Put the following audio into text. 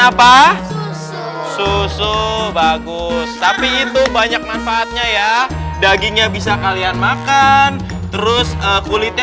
apa susu bagus tapi itu banyak manfaatnya ya dagingnya bisa kalian makan terus kulitnya